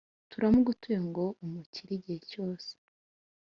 turamugutuye ngo umukire igihe cyose